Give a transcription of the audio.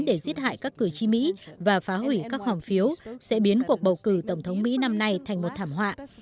để giết hại các cử tri mỹ và phá hủy các hoàng phiếu sẽ biến cuộc bầu cử tổng thống mỹ năm nay thành một thảm họa